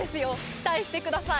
期待してください！